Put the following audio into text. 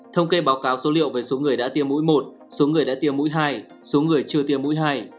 thông kê báo cáo số liệu về số người đã tiêm mũi một số người đã tiêm mũi hai số người chưa tiêm mũi hai